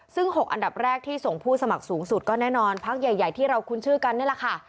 ซึ่ง๖อันดับแรกที่ส่งผู้สมัครสูงสุดก็แน่นอนพักใหญ่ที่เราคุ้นชื่อกันนี่แหละค่ะ